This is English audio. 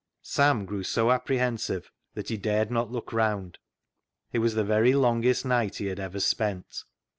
Sam grew so apprehensive that he dared not look round. It was the very longest night he had ever spent.